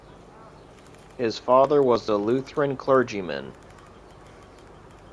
His father was a Lutheran clergyman.